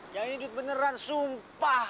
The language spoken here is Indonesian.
yang ini duit beneran sumpah